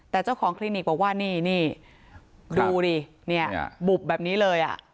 แต่เจ้าของคลินิกบอกว่านี่นี่ดูดิบุบแบบนี้เลย